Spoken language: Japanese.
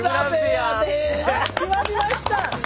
あっ決まりました。